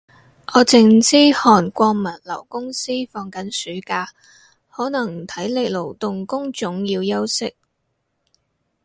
我剩係知韓國物流公司放緊暑假，可能體力勞動工種要休息